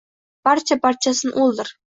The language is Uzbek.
Barcha-barchasin oʼldir.